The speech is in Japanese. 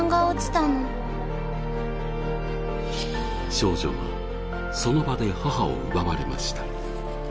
少女は、その場で母を奪われました。